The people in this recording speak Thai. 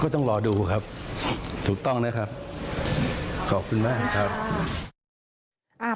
ต้องรอดูครับถูกต้องนะครับขอบคุณมากครับ